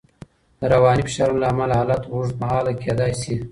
د رواني فشارونو له امله حالت اوږدمهاله کېدای شي.